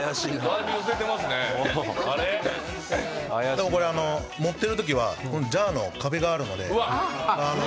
でも盛ってるときはジャーの壁があるので。